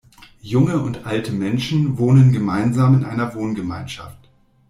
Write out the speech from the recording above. Junge und alte Menschen wohnen gemeinsam in einer Wohngemeinschaft.